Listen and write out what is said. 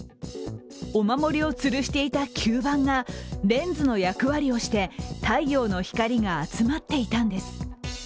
お守りをつるしていた吸盤がレンズの役割をして、太陽の光が集まっていたんです。